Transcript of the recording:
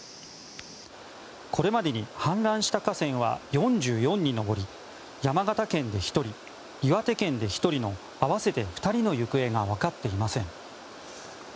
これまでに氾濫した河川は４４に上り山形県で１人、岩手県で１人の合わせて２人の行方がわかっていません。